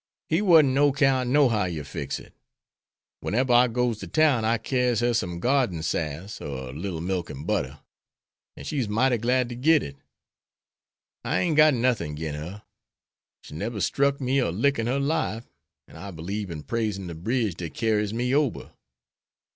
He warn't no 'count nohow you fix it. Weneber I goes to town I carries her some garden sass, er a little milk an' butter. An' she's mighty glad ter git it. I ain't got nothin' agin her. She neber struck me a lick in her life, an' I belieb in praising de bridge dat carries me ober.